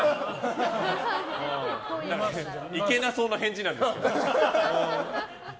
いけなそうな返事なんですけど。